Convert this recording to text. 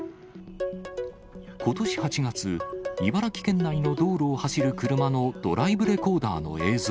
ことし８月、茨城県内の道路を走る車のドライブレコーダーの映像。